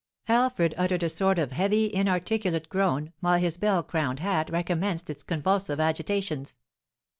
Alfred uttered a sort of heavy, inarticulate groan, while his bell crowned hat recommenced its convulsive agitations.